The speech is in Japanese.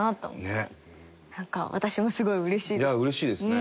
いや嬉しいですね。